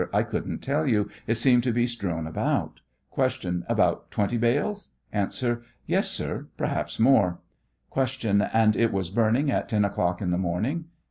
I couldn't tell you, it seemed to bo strewn around. Q. About twenty bales ? A. Yes, sir ; perhaps more. Q. And it was burning at 10 o'clock in the morning?